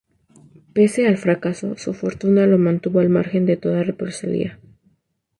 Pese al fracaso, su fortuna lo mantuvo al margen de toda represalia.